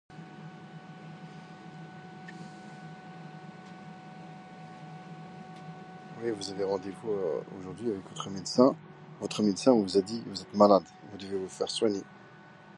Ils conseilleraient à leurs ados de se suicider.